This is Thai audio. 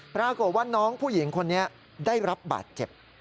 ปรากฏว่าน้องผู้หญิงคนนี้ได้รับบาดเจ็บ